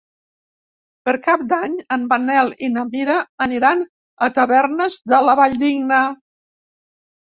Per Cap d'Any en Manel i na Mira aniran a Tavernes de la Valldigna.